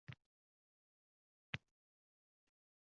Har safar kitob o‘qilganda miya faol ishlaydi.